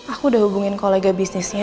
aku udah hubungin kolega bisnisnya